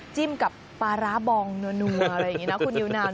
กับปลาร้าบองนัวอะไรอย่างนี้นะคุณนิวนาว